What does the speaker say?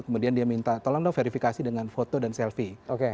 kemudian dia minta tolong dong verifikasi dengan foto dan selfie